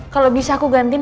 kalau bisa aku gantiin